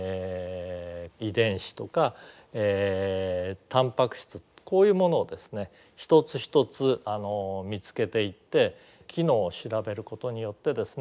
遺伝子とかタンパク質こういうものをですね一つ一つ見つけていって機能を調べることによってですね